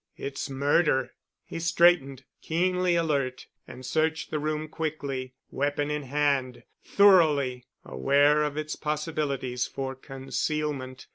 It's murder!" He straightened, keenly alert, and searched the room quickly, weapon in hand, thoroughly, aware of its possibilities for concealment.